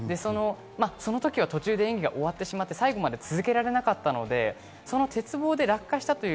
その時は途中で演技が終わってしまって最後まで続けられなかったのでその鉄棒で落下したという。